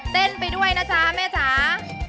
เต้นไปด้วยนะจ๊ะแม่จ๋า